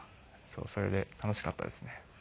それで楽しかったですね。